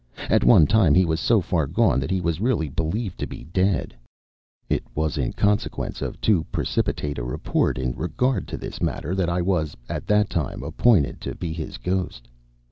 At one time he was so far gone that he was really believed to be dead. It was in consequence of too precipitate a report in regard to this matter that I was, at that time, appointed to be his ghost.